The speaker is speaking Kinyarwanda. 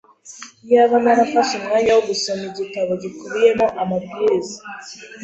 Iyaba narafashe umwanya wo gusoma igitabo gikubiyemo amabwiriza!